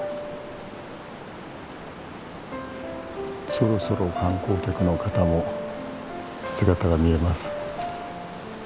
そろそろ観光客の方も姿が見えます。